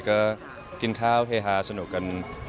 ก็กินข้าวเฮฮาสนุกกัน